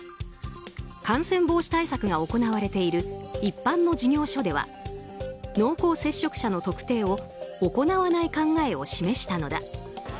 感染防止対策が行われている一般の事業所では濃厚接触者の特定を行わない考えを示したのだ。